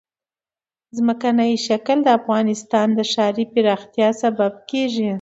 ځمکنی شکل د افغانستان د ښاري پراختیا سبب کېږي.